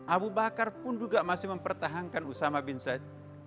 abu bakar pun juga masih mempertahankan usama bin said